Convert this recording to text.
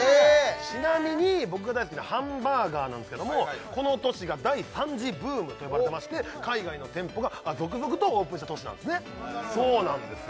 ちなみに僕が大好きなハンバーガーなんですけどもこの年が第３次ブームと呼ばれてまして海外の店舗が続々とオープンした年なんですねそうなんですよ